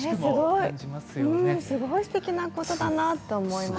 すごいすてきなことだなと思います。